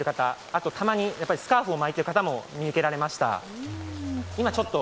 あとたまにスカーフを巻いている方も見受けられました。